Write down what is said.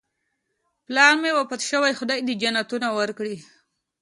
پلار مې وفات شوی، خدای دې جنتونه ورکړي